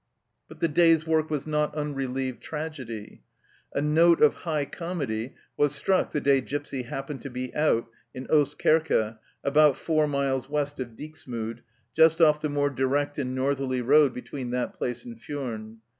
But the day's work was not unrelieved tragedy ; a note of high comedy was struck the day Gipsy happened to be out in Oostkerke, about four miles west of Dixmude, just off the more direct and northerly road between that place and Furnes.